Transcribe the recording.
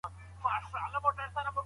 مکتبونه د ماشومانو د راتلونکي بنسټ دی.